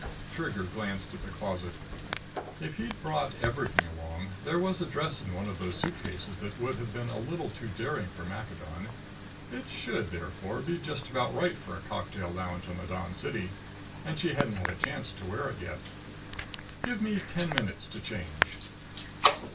Trigger glanced at the closet. If he'd brought everything along, there was a dress in one of those suitcases that would have been a little too daring for Maccadon. It should, therefore, be just about right for a cocktail lounge on the Dawn City; and she hadn't had a chance to wear it yet. "Give me ten minutes to change."